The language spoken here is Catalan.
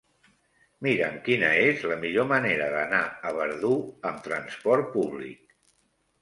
Mira'm quina és la millor manera d'anar a Verdú amb trasport públic.